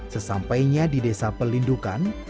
sesampainya di desa pelindungan